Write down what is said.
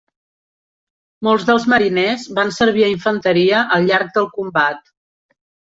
Molts dels mariners van servir a infanteria al llarg del combat.